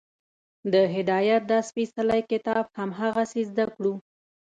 د هدایت دا سپېڅلی کتاب هغسې زده کړو